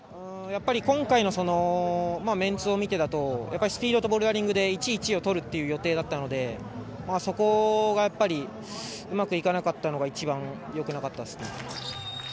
今回のメンツを見てだとスピードとボルダリングで１位、１位をとる予定だったのでそこがやっぱりうまくいかなかったのが一番良くなかったですね。